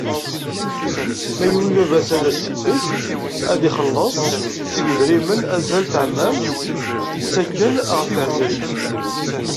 Ma yugi baba-s ad s-tt-ifk, ad ixelleṣ s yidrimen azal n teɛmamt i ttaken ɣef tɛezriyin.